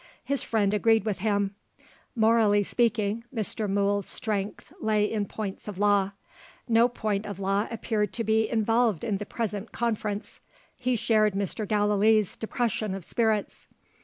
His friend agreed with him. Morally speaking, Mr. Mool's strength lay in points of law. No point of law appeared to be involved in the present conference: he shared Mr. Gallilee's depression of spirits.